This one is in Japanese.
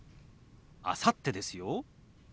「あさって」ですよ。